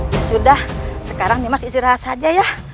ya sudah sekarang nimas istirahat saja ya